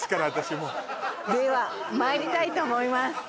私もうではまいりたいと思います